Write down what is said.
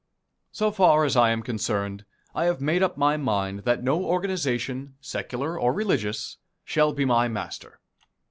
So far as I am concerned, I have made up my mind that no organization, secular or religious, shall be my master.